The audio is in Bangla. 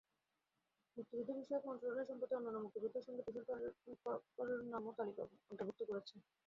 মুক্তিযুদ্ধবিষয়ক মন্ত্রণালয় সম্প্রতি অন্যান্য মুক্তিযোদ্ধার সঙ্গে তুষার করের নামও তালিকায় অন্তর্ভুক্ত করে।